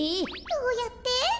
どうやって？